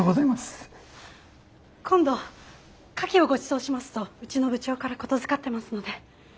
今度カキをごちそうしますとうちの部長から言づかってますので。